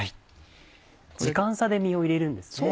時間差で身を入れるんですね。